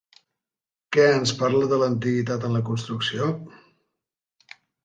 Què ens parla de l'antiguitat de la construcció?